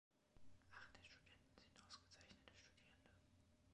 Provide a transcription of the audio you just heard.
Acht der Studenten sind ausgezeichnete Studierende.